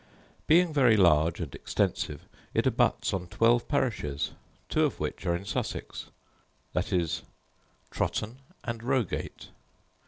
Being very large and extensive, it abuts on twelve parishes, two of which are in Sussex, viz., Trotton and Rogate.